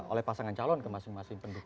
oleh pasangan calon ke masing masing pendukung